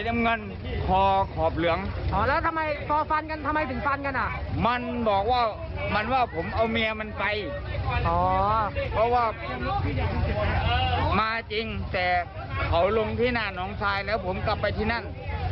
เพราะว่ามันว่าผมเอาเมียมันไปอ๋อเพราะว่ามาจริงแต่เขาลงที่หน้าน้องชายแล้วผมกลับไปที่นั่น